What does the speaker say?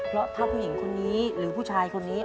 เพราะถ้าผู้หญิงคนนี้หรือผู้ชายคนนี้